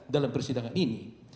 dalam persidangan ini